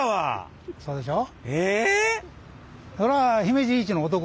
そうでしょ？